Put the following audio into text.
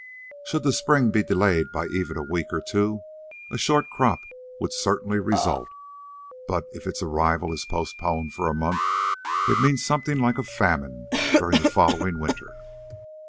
Should the spring be delayed even a week or two, a short crop would certainly result, but if its arrival is postponed for a month, it means something like a famine during the following winter.